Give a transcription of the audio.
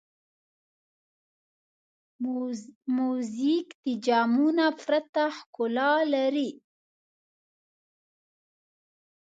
موزیک د جامو نه پرته ښکلا لري.